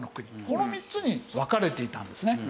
この３つに分かれていたんですね。